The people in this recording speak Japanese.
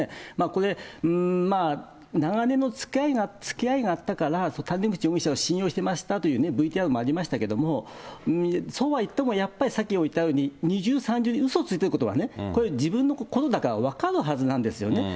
これ、長年のつきあいがあったから、谷口容疑者を信用してましたというＶＴＲもありましたけども、そうはいってもやっぱり、さっきも言ったように、二重三重にうそついていることはこれ、自分のことだから分かるはずなんですよね。